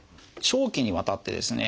長期にわたってですね